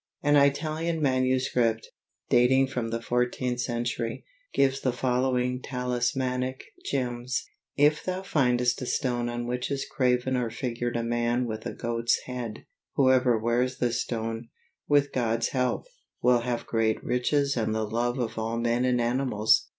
An Italian manuscript, dating from the fourteenth century, gives the following talismanic gems: If thou findest a stone on which is graven or figured a man with a goat's head, whoever wears this stone, with God's help, will have great riches and the love of all men and animals.